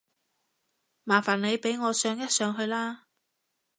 麻煩你俾我上一上去啦